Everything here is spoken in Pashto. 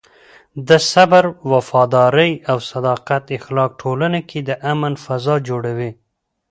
د صبر، وفادارۍ او صداقت اخلاق ټولنه کې د امن فضا جوړوي.